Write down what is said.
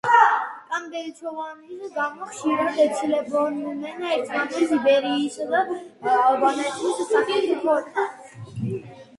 კამბეჩოვანის გამო ხშირად ეცილებოდნენ ერთმანეთს იბერიისა და ალბანეთის სახელმწიფოები.